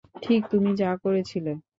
ঠিক তুমি যা করেছিলে।